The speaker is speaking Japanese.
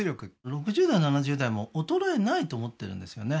６０代７０代も衰えないと思ってるんですよね